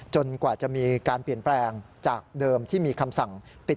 กว่าจะมีการเปลี่ยนแปลงจากเดิมที่มีคำสั่งปิด